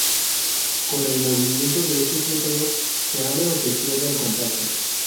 Con el movimiento de este flotador, se abre o se cierra el contacto.